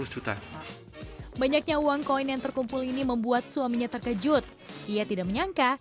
seratus juta banyaknya uang koin yang terkumpul ini membuat suaminya terkejut ia tidak menyangka